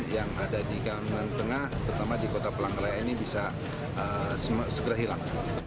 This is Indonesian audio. yang ada di kalimantan tengah terutama di kota pelangg raya ini bisa segera hilang